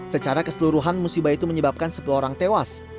secara keseluruhan musibah itu menyebabkan sepuluh orang tewas